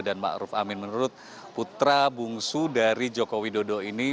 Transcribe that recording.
dan ma'ruf amin menurut putra bungsu dari jokowi dodo ini